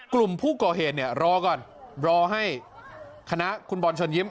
กลุ่มผู้ก่อเหตุเนี่ยรอก่อนรอให้คณะคุณบอลเชิญยิ้ม